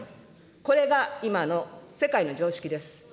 これが今の世界の常識です。